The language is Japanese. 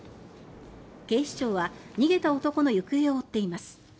警視庁は逃げた男の行方を追っています。